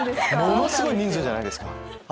ものすごい人数じゃないですか。